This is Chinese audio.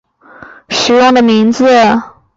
阮福淳是尊室协生前使用的名字。